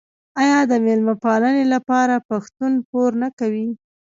آیا د میلمه پالنې لپاره پښتون پور نه کوي؟